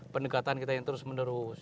pendekatan kita yang terus menerus